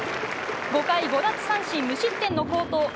５回５奪三振、無失点の好投。